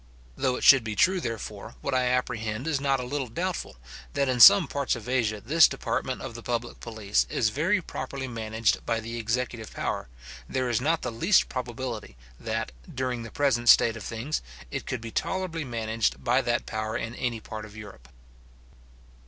Though it should be true, therefore, what I apprehend is not a little doubtful, that in some parts of Asia this department of the public police is very properly managed by the executive power, there is not the least probability that, during the present state of things, it could be tolerably managed by that power in any part of Europe.